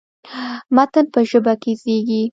متن په ژبه کې زېږي.